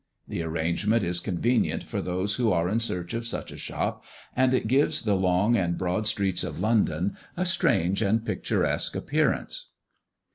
The arrangement is convenient for those who are in search of such a shop, and it gives the long and broad streets of London a strange and picturesque appearance.